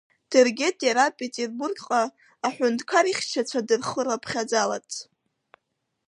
Дыргеит иара Петербургҟа аҳәынҭқар ихьчацәа дырхырыԥхьаӡаларц.